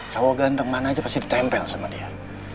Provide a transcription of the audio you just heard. sawo ganteng mana aja pasti ditempel sama dia